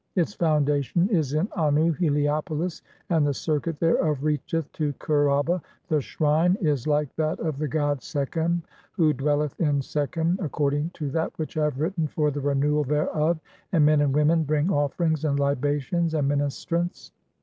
Its foundation is in Annu (Helippolis), and the circuit "thereof [reacheth] to Kher aba, the shrine (?) is [like that of] "the god Sekhem, who dwelleth in (5) Sekhem, according to "that which I have written for the renewal (?) thereof, and men "and women bring offerings, and libations, and ministrants